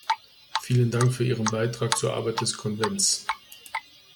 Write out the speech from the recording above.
Vielen Dank für Ihren Beitrag zur Arbeit des Konvents.